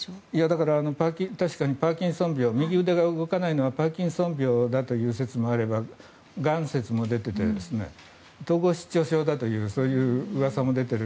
だから、確かに右腕が動かないのはパーキンソン病だという説もあれば、がん説も出ていて統合失調症だというそういううわさも出ている。